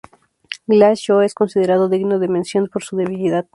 Glass Joe es considerado digno de mención por su debilidad.